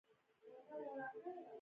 ایا زه باید دعا وکړم؟